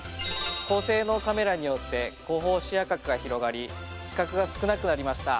高性能カメラによって後方視野角が広がり死角が少なくなりました。